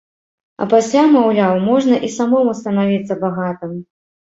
А пасля, маўляў, можна і самому станавіцца багатым.